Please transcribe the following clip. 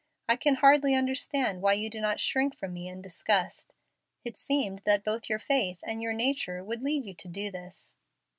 I can hardly understand why you do not shrink from me in disgust. It seemed that both your faith and your nature would lead you to do this.